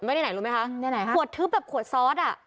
เอาไว้ในไหนรู้ไหมคะในไหนค่ะขวดทึบแบบขวดซอส